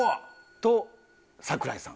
と桜井さん